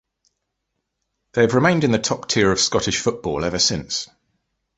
They have remained in the top tier of Scottish football ever since.